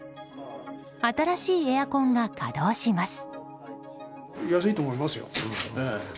新しいエアコンが稼働します。